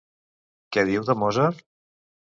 Què diu de Mozart?